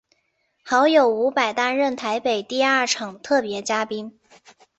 好友伍佰担任台北第二场特别嘉宾。